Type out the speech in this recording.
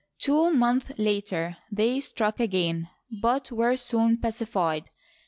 Two months later they struck again, but were soon pacified.